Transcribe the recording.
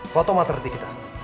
foto matahari kita